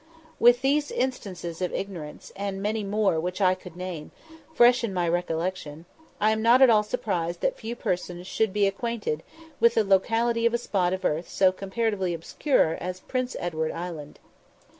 With these instances of ignorance, and many more which I could name, fresh in my recollection, I am not at all surprised that few persons should be acquainted with the locality of a spot of earth so comparatively obscure as Prince Edward Island.